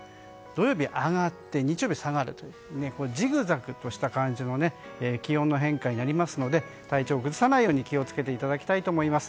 土曜日、上がって日曜日は下がるというジグザグとした感じの気温の変化になりますので体調を崩さないようお気をつけていただきたいと思います。